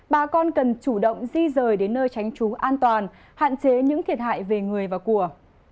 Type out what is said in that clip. bà con cần chủ động di rời đến nơi tránh trú an toàn hạn chế những thiệt hại về người và của